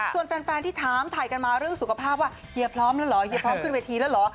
ส่วนแฟนที่ถามถ่ายกันมาเรื่องสุขภาพว่าเฮียพร้อมแล้วเหรอเฮียพร้อมขึ้นเวทีแล้วเหรอ